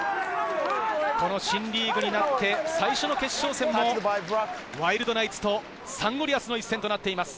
新リーグになって最初の決勝戦も、ワイルドナイツとサンゴリアスの一戦となっています。